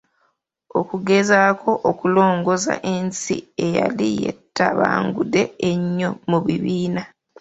Okugezaako okulongoosa ensi eyali yeetabangudde ennyo mu bibiina.